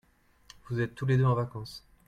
vous êtes tous les deux en vacances.